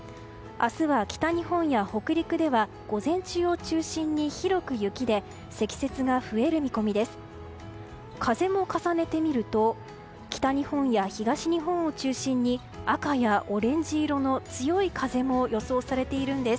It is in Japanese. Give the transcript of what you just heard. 明日は北日本や北陸では午前中を中心に広く雪で積雪が増える見込みです。